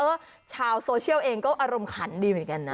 ชาวโซเชียลเองก็อารมณ์ขันดีเหมือนกันนะ